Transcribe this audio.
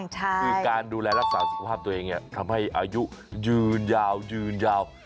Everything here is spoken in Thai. คือการดูแลรักษาสุขภาพตัวเองทำให้อายุยืนยาวยืนยาว